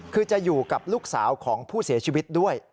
คือจะอยู่กับลูกสาวของผู้เสียชีวิตด้วย